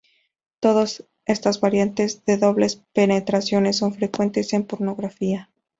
Todas estas variantes de dobles penetraciones son frecuentes en pornografía.